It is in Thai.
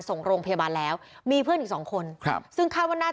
ส่งโรงพยาบาลแล้วมีเพื่อนอีกสองคน